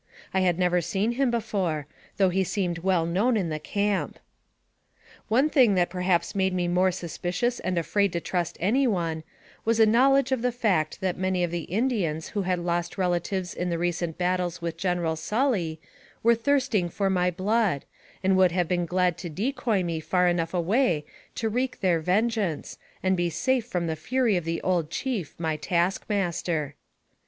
I had never seen him be fore, though he seemed well known in the camp. One thing that perhaps made me more suspicious and afraid to trust any one, was a knowledge of the fa3t that many of the Indians who had lost relatives in the recent battles with General Sully, were thirsting for my blood, and would have been glad to decoy me 168 NARRATIVE OF CAPTIVITY far enough away to wreak their vengeance, and be safe from the fury of the old chief, my task master.